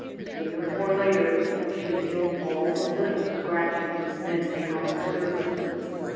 Sooner or later she heals all the little scratches men make on her surface.